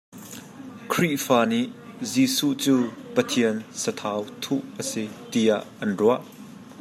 Khrihfa nih Jesuh cu Pathian sathau thuh a si tiah an ruah.